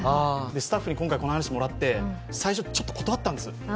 スタッフに今回、この話もらって最初、断ったんです。